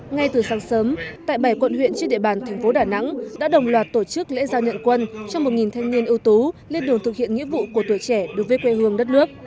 ngay từ sáng sớm tại bảy quận huyện trên địa bàn thành phố đà nẵng đã đồng loạt tổ chức lễ giao nhận quân cho một thanh niên ưu tú lên đường thực hiện nghĩa vụ của tuổi trẻ đối với quê hương đất nước